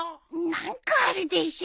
何かあるでしょ？